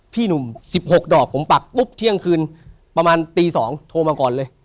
พี่หนุ่ม๑๖ดอกผมปักปุ๊บเที่ยงคืนประมาณตี๒โทรมาก่อนเลย